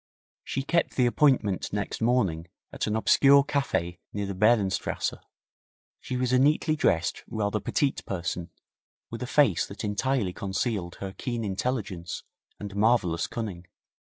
She kept the appointment next morning at an obscure cafe near the Behrenstrasse. She was a neatly dressed, rather petite person, with a face that entirely concealed her keen intelligence and marvellous cunning.